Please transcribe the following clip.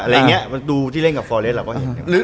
อะไรอย่างเงี้ยดูที่เล่นกับฟอเรสเราก็เห็น